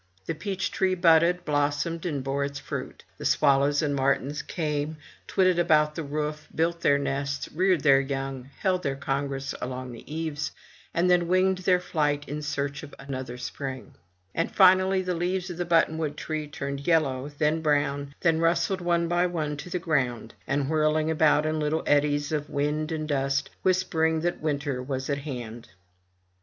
The peach tree budded, blossomed, and bore its fruit. The swallows and martins came, twitted about the roof, built their nests, reared their young, held their congress along the eaves, and then winged their flight in search of another spring; and finally the leaves of the button wood tree turned yellow, then brown, then rustled one by one to the ground, and whirling about in little eddies of wind and dust, whispered that winter was at hand.